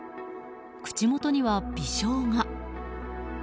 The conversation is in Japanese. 口元には微笑が。